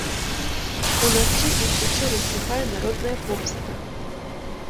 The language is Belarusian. Уначы іх хутчэй насцігае народная помста.